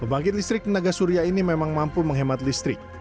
pembangkit listrik tenaga surya ini memang mampu menghemat listrik